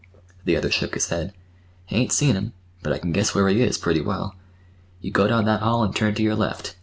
The other shook his head. "Hain't seen him—but I can guess where he is, pretty well. You go down that hall and turn to your left.